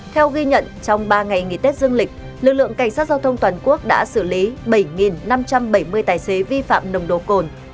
theo ghi nhận trong ba ngày nghỉ tết dương lịch lực lượng cảnh sát giao thông toàn quốc đã xử lý bảy năm trăm bảy mươi tài xế vi phạm nồng độ cồn